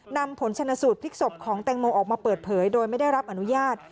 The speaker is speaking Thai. นำผลชนสูตรพลิกศพของแตงโมออกมาเปิดเผยโดยไม่ได้รับอนุญาต